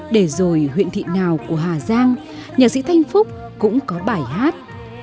để rồi huyện thị nào của hà giang nhạc sĩ thanh phúc cũng có bài hát